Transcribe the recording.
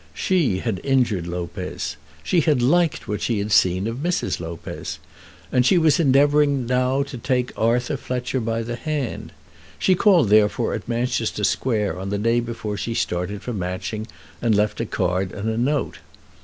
She had injured Lopez. She had liked what she had seen of Mrs. Lopez. And she was now endeavouring to take Arthur Fletcher by the hand. She called therefore at Manchester Square on the day before she started for Matching, and left a card and a note.